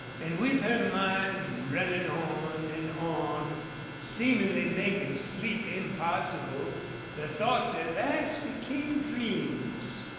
And with her mind running on and on, seemingly making sleep impossible, the thoughts at last became dreams.